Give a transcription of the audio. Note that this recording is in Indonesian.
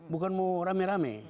bukan mau rame rame